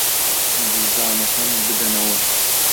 جزدانەکەم بدەنەوە.